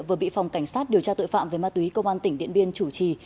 vừa bị phòng cảnh sát điều tra tội phạm về ma túy công an tỉnh điện biên chủ trì